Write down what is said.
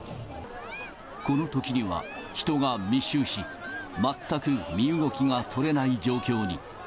このときには人が密集し、全く身動きが取れない状況に。